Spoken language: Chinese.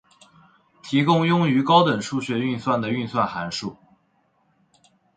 提供用于常用高级数学运算的运算函数。